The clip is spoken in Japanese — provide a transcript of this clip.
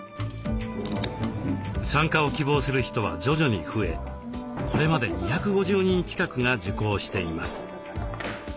参加を希望する人は徐々に増えこれまで２５０人近くが受講しています。